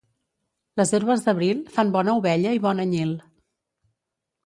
Les herbes d'abril fan bona ovella i bon anyil.